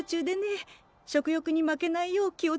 食欲に負けないよう気を付けてるの。